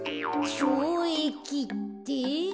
ちょうえきって？